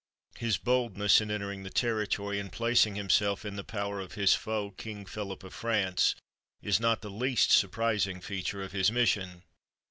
His boldness in entering the territory, and placing himself in the power of his foe, King Philip of France, is not the least surprising feature of his mission.